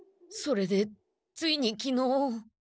それでついにきのう。